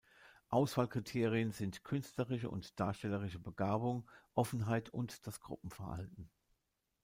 Auswahlkriterien sind künstlerische und darstellerische Begabung, Offenheit und das Gruppenverhalten.